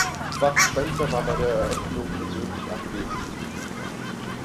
Bud Spencer war bei der Eröffnung persönlich anwesend.